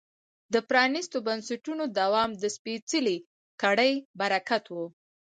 د پرانیستو بنسټونو دوام د سپېڅلې کړۍ برکت و.